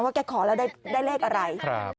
แกขอแล้วได้เลขอะไร